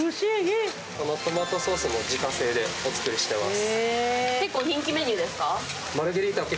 このトマトソースも自家製でお作りしております。